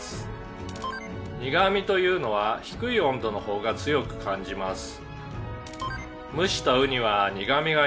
「苦みというのは低い温度の方が強く感じます」